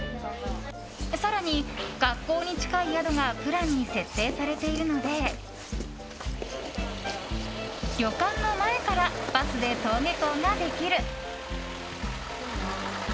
更に、学校に近い宿がプランに設定されているので旅館の前からバスで登下校ができる。